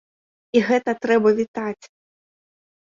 І гэта трэба вітаць!